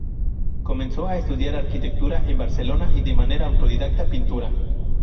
Comenzó a estudiar arquitectura en Barcelona y de manera autodidacta pintura.